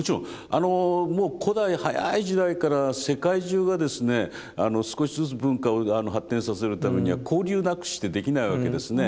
あのもう古代早い時代から世界中がですね少しずつ文化を発展させるためには交流なくしてできないわけですね。